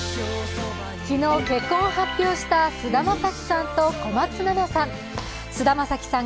昨日、結婚を発表した菅田将暉さんと小松菜奈さん。